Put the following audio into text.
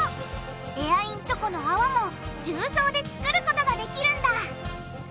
エアインチョコのあわも重曹で作ることができるんだ！